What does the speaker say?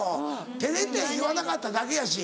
照れて言わなかっただけやし。